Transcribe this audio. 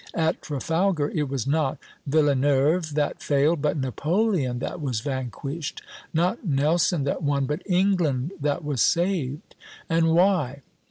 At Trafalgar it was not Villeneuve that failed, but Napoleon that was vanquished; not Nelson that won, but England that was saved; and why?